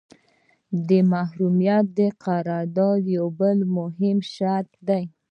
محرمیت د قرارداد یو بل مهم شرط دی.